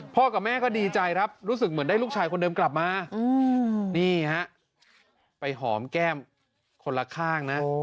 พ่อกับแม่ก็ดีใจครับรู้สึกเหมือนได้ลูกชายคนเดิมกลับมา